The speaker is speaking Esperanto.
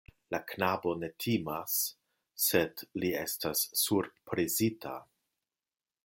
La knabo ne timas, sed li estas surprizita.